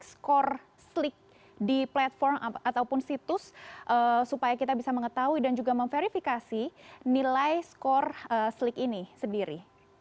skor slik di platform ataupun situs supaya kita bisa mengetahui dan juga memverifikasi nilai skor slik ini sendiri